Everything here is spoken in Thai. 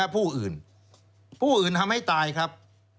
ผู้อื่นทำให้ตายครับ